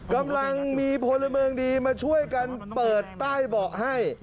กำลังมีพลเมืองดีมาช่วยกันเปิดใต้เบาะให้